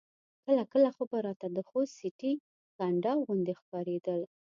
کله کله خو به راته د خوست سټې کنډاو غوندې ښکارېدل.